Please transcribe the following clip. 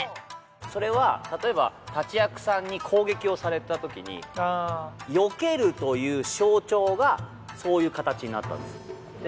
それは例えば立役さんに攻撃をされたときによけるという象徴がそういう形になったんです。